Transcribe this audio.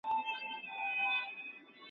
کله خفه کله غصه شي